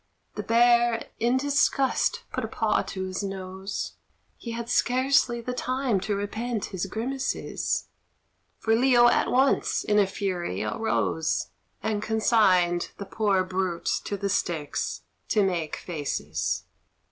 The Bear in disgust put a paw to his nose; He had scarcely the time to repent his grimaces; For Leo at once in a fury arose, And consigned the poor brute to the Styx, to make faces.